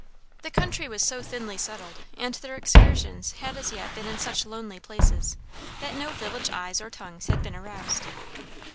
The country was so thinly settled, and their excursions had as yet been in such lonely places, that no village eyes or tongues had been aroused.